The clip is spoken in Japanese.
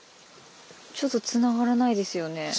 ちょっとつながらないですよね。